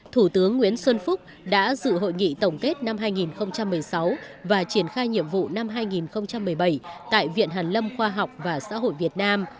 thủ tướng nguyễn xuân phúc đã dự hội nghị tổng kết năm hai nghìn một mươi sáu và triển khai nhiệm vụ năm hai nghìn một mươi bảy tại viện hàn lâm khoa học và xã hội việt nam